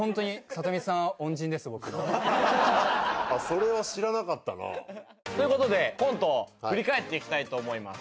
それは知らなかったな。という事でコントを振り返っていきたいと思います。